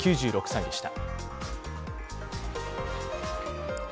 ９６歳でした。